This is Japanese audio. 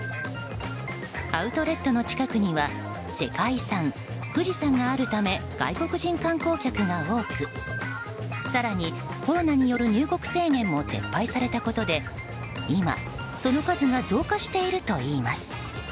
アウトレットの近くには世界遺産・富士山があるため外国人観光客が多く更に、コロナによる入国制限も撤廃されたことで今、その数が増加しているといいます。